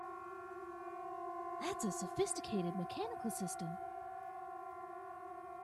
That's a sophisticated mechanical system!